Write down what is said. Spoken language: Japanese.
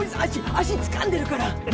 足つかんでるから。